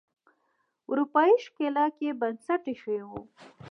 اروپایي ښکېلاک یې بنسټ ایښی و.